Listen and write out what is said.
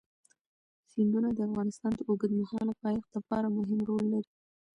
سیندونه د افغانستان د اوږدمهاله پایښت لپاره مهم رول لري.